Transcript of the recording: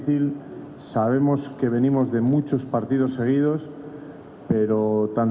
kita tahu kita datang dari banyak pertandingan yang selalu